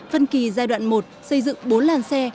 phân kỳ giai đoạn một xây dựng bốn làn xe